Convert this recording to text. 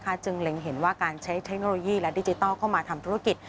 จึงเล็งเห็นว่าการใช้เทคโนโลยีและดิจิทัลเข้ามาทำธุรกิจ